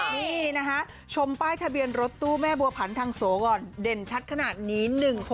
นี่นะคะชมป้ายทะเบียนรถตู้แม่บัวผันทางโสก่อนเด่นชัดขนาดนี้๑๖๖